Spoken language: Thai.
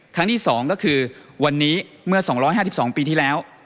ครั้งที่๒ก็คือวันนี้เมื่อ๒๕๒ปีที่แล้ว